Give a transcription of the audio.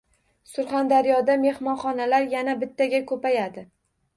Surxondaryoda mehmonxonalar yana bittaga ko‘paydi